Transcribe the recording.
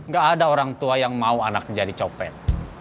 gak ada orang tua yang mau anak jadi copet